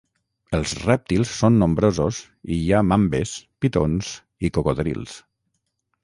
Els rèptils són nombrosos i hi ha mambes, pitons i cocodrils.